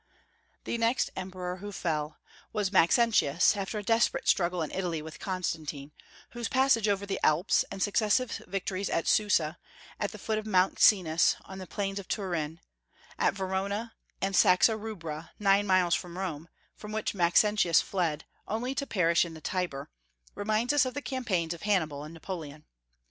The next emperor who fell was Maxentius, after a desperate struggle in Italy with Constantine, whose passage over the Alps, and successive victories at Susa (at the foot of Mont Cenis, on the plains of Turin), at Verona, and Saxa Rubra, nine miles from Rome, from which Maxentius fled, only to perish in the Tiber, remind us of the campaigns of Hannibal and Napoleon.